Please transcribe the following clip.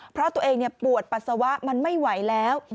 เพราะตัวเองปวดปัสสาวะมันไม่ไหวแล้ว